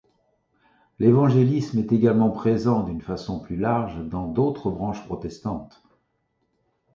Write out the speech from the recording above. L’évangélisme est également présent d’une façon plus large dans d’autres branches protestantes.